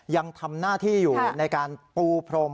ยังทำหน้าที่อยู่ในการปูพรม